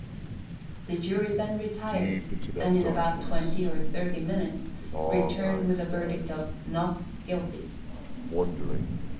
The jury then retired, and, in about twenty or thirty minutes, returned with a verdict of "Not Guilty."